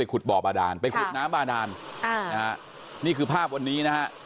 ขุดบ่อบาดานไปขุดน้ำบาดานนี่คือภาพวันนี้นะฮะ